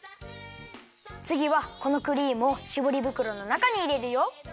つぎはこのクリームをしぼりぶくろのなかにいれるよ。